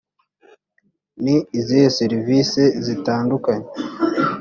ni izihe serivise zitandukanye